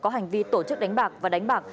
có hành vi tổ chức đánh bạc và đánh bạc